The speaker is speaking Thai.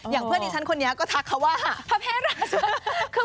อย่างเพื่อนดิฉันคนนี้ก็ทักเขาว่าประเภทราชา